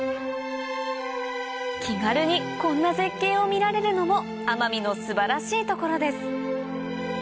気軽にこんな絶景を見られるのも奄美の素晴らしいところです